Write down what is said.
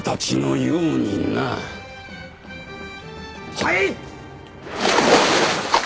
はい！